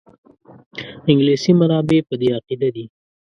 انګلیسي منابع په دې عقیده دي.